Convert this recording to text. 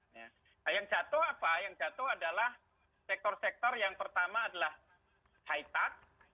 nah yang jatuh apa yang jatuh adalah sektor sektor yang pertama adalah high touch